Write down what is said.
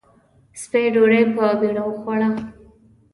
سپۍ ډوډۍ په بېړه وخوړه.